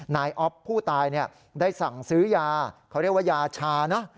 นายอ๊อฟผู้ตายได้สั่งซื้อยาเขาเรียกว่ายาชานะ